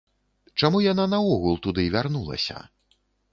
Чаму яна наогул туды вярнулася?